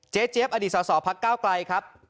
เจเจี๊ยบอดีตสสพักก้าวไกลครับ